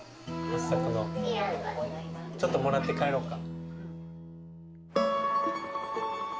はっさくのちょっともらって帰ろうか。